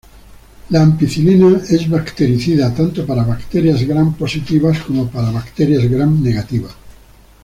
La ampicilina es bactericida tanto para bacterias Gram positivas como para bacterias Gram negativas.